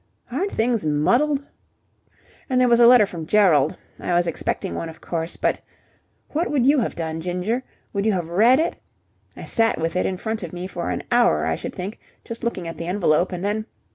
Aren't things muddled? "And there was a letter from Gerald. I was expecting one, of course, but... what would you have done, Ginger? Would you have read it? I sat with it in front of me for an hour, I should think, just looking at the envelope, and then...